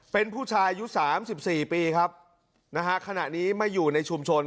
เป็นผู้ชายอายุสามสิบสี่ปีครับนะฮะขณะนี้ไม่อยู่ในชุมชน